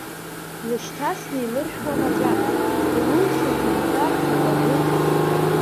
Длышьҭасны илыршәуан аҵәаҟьа, Илылшоз умҳәар ҭакәажәык.